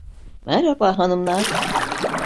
Merhaba hanımlar.